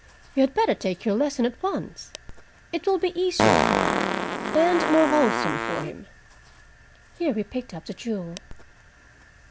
You had better take your lesson at once. It will be easier for you, and more wholesome for him." Here he picked up the jewel.